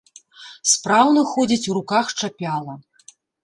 Спраўна ходзіць у руках чапяла.